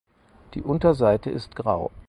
Die Unterseite ist grau.